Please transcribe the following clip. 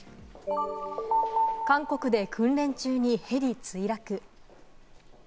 韓国で訓練中にヘリ墜落。